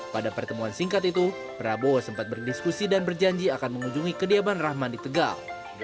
pada pertemuan singkat itu prabowo sempat berdiskusi dan berjanji akan mengunjungi kediaman rahman di tegal